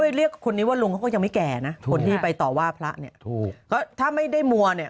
ไปเรียกคนนี้วะลงก็ยังไม่แก่นะผู้ื่อไปต่อว่าพระเนี่ยถ้าไม่ได้มวเกิด